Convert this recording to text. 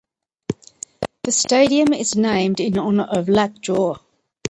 The stadium is named in honour of Lat Jor.